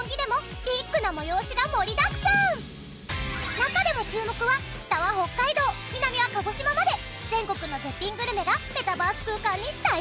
中でも注目は北は北海道南は鹿児島まで全国の絶品グルメがメタバース空間に大集合！